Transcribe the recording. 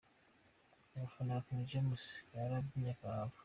Abafana ba King James barabyinnye karahava.